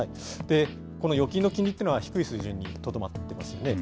この預金の金利っていうのは低い水準にとどまっていますよね。